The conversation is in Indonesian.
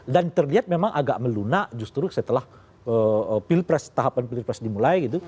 dan terlihat memang agak melunak justru setelah tahapan pilpres dimulai gitu